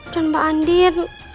dan mbak andin